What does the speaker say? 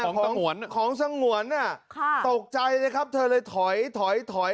ของสงวนของสงวนอ่ะค่ะตกใจเลยครับเธอเลยถอยถอยถอย